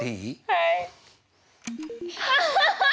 はい。